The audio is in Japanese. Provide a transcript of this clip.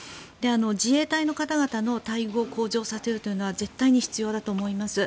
自衛隊の方々の待遇を向上させるというのは絶対に必要だと思います。